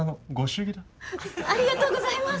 ありがとうございます！